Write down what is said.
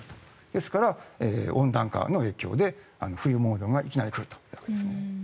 ですから温暖化の影響で冬モードがいきなり来るというわけですね。